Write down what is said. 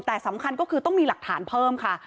แต่สำคัญก็คือต้องมีหลักฐานเพิ่มค่ะ